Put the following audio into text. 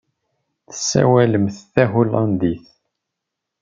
Tessawalemt tahulandit?